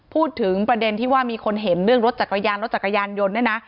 พูดถึงประเด็นที่ว่ามีคนเห็นเรื่องรถจักรยานรถจักรยานยนต์เนี่ยนะ